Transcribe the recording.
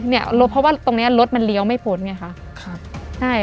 เพราะว่าตรงเนี่ยรถมันเลี้ยวไม่พนไงคะ